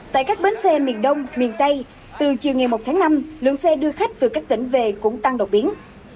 tại các bến xe miền đông miền tây từ chiều ngày một tháng năm lượng xe đưa khách từ các tỉnh về cũng tăng độc biến